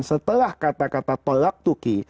setelah kata kata tolak tuki